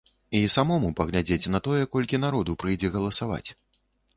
І самому паглядзець на тое, колькі народу прыйдзе галасаваць.